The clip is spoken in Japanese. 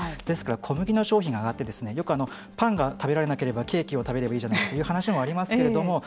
ですから、小麦の商品が上がってよく、パンが食べられなければケーキを食べればいいんじゃないかという話もありますけれども。